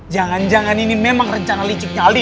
jangan jangan ini memang rencana liciknya ali